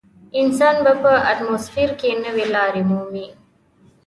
انسان به په اتموسفیر کې نوې لارې مومي.